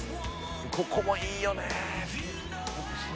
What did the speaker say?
ここもいいよね。